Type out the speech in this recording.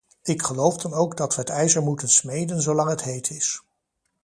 Ik geloof dan ook dat we het ijzer moeten smeden zolang het heet is.